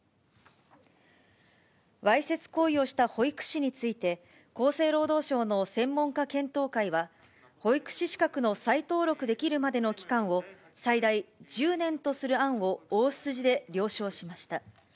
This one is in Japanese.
わいせつ行為をした保育士について、厚生労働省の専門家検討会は、保育士資格の再登録できるまでの期間を、最大１０年とする案を大筋で了承しました。